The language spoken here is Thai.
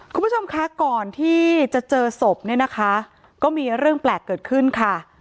คุณผู้ชมคะก่อนที่จะเจอศพเนี่ยนะคะก็มีเรื่องแปลกเกิดขึ้นค่ะ